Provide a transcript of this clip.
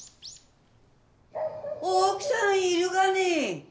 大奥さんいるかね？